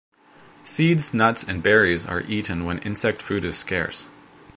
Seeds, nuts and berries are eaten when insect food is scarce.